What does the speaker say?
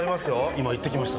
今、行ってきました。